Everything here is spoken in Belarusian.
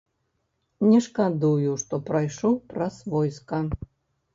Не шкадую, што прайшоў праз войска.